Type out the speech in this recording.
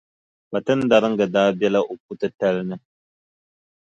Kpatindariga daa bela o puʼ titali ni.